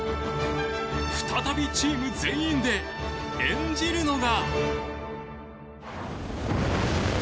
再びチーム全員で演じるのが。